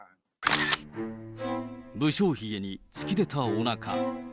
不精ひげに突き出たおなか。